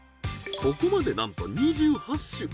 ここまでなんと２８種。